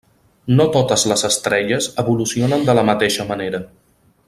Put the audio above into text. No totes les estrelles evolucionen de la mateixa manera.